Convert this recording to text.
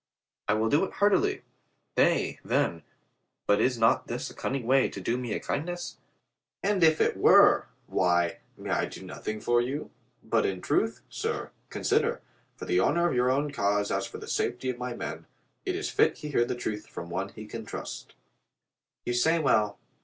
"I will do it heartily. Nay, then, but is not this a cunning way to do me a kindness?" "And if it were! Why, may I do nothing for you? But in truth, sir, consider, for the honor of your own cause as for the safety of my men, it is fit he hear the truth from one he can trust" "You say well.